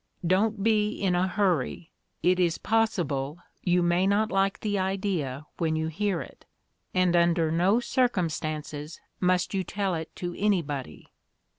"Don't be in a hurry; it is possible you may not like the idea when you hear it, and under no circumstances must you tell it to anybody."